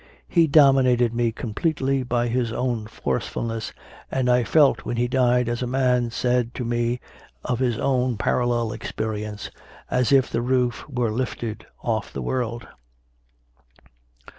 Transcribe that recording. He dominated me completely by his own forcefulness, and I felt when he died, as a man said 16 CONFESSIONS OF A CONVERT to me of his own parallel experience, as if the roof were lifted off the world.